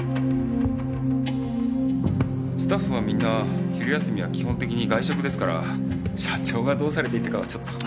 スタッフはみんな昼休みは基本的に外食ですから社長がどうされていたかはちょっと。